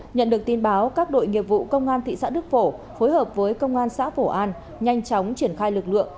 nhận được tin báo các đội nghiệp vụ công an thị xã đức phổ phối hợp với công an xã phổ an nhanh chóng triển khai lực lượng